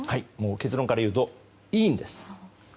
結論から言うといいんです。